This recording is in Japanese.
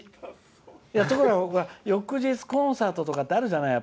だけど、ほら、僕翌日、コンサートとかってあるじゃない。